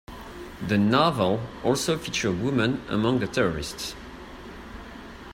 The novel also features women among the terrorists.